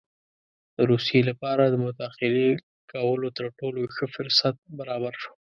د روسیې لپاره د مداخلې کولو تر ټولو ښه فرصت برابر شو.